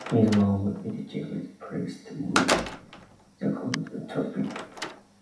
He is one of eight Cornhuskers players to win the Outland Trophy.